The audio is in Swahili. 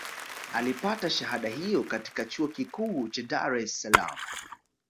Alipata shahada hiyo katika Chuo Kikuu cha Dare es Salaam